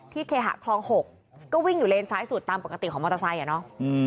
เคหะคลอง๖ก็วิ่งอยู่เลนซ้ายสุดตามปกติของมอเตอร์ไซค์อ่ะเนาะ